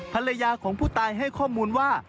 ภรรยาของผู้ตายให้ข้อมูลว่า